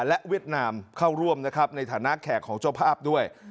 และเวียดนามเข้าร่วมนะครับในฐานะแขกของเจ้าภาพด้วย